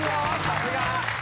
さすが！